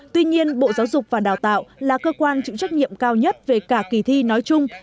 tuy nhiên bộ giáo dục và đào tạo là cơ quan trực trách nhiệm cao nhất về cả kỳ thi nói chung